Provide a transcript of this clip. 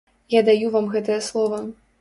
Я даю вам гэтае слова.